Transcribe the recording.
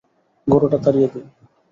গরুটা তাড়িয়ে দিন।